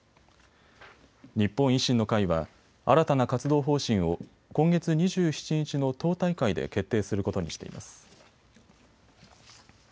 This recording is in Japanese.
日本維新の会は新たな活動方針を今月２７日の党大会で決定することにしています。